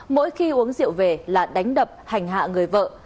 mỗi khi uống rượu về là đánh đập hành hạ người vợ